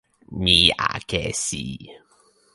mi akesi.